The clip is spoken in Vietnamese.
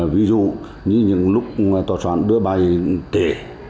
ví dụ như những lúc tòa soạn đưa bài kể